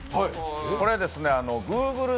これはＧｏｏｇｌｅ